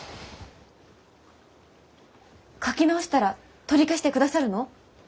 書き直したら取り消してくださるの？